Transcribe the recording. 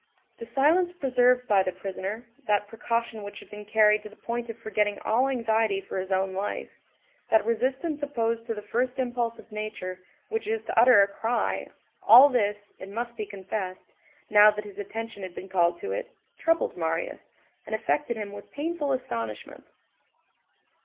The silence preserved by the prisoner, that precaution which had been carried to the point of forgetting all anxiety for his own life, that resistance opposed to the first impulse of nature, which is to utter a cry, all this, it must be confessed, now that his attention had been called to it, troubled Marius, and affected him with painful astonishment.